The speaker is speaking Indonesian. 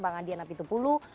bang adian apitupulu